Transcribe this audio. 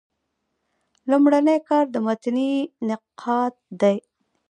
لومړنی کار د متني نقاد دﺉ.